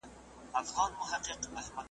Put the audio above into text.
ځکه نو یې د خپل ولس